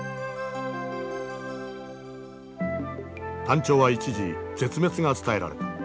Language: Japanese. タンチョウは一時絶滅が伝えられた。